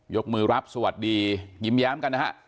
กมือรับสวัสดียิ้มแย้มกันนะฮะ